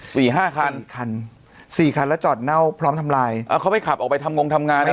สี่ห้าคันแล้วจอดเน่าพร้อมทำลายเอ้าเขาไปขับออกไปทำงงทำงานอะไร